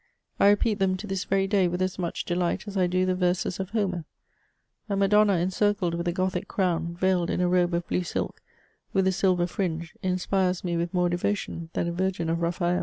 I repeat them to this very day with as much delight as I do the verses of Homer ; a Madonna encircled with a gothic crown, veiled in a robe of blue sUk, with a silver fringe, inspires me vnth more devotion than a Virgin of Raphael.